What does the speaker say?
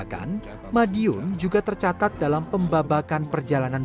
iya ada yang pakai sarungan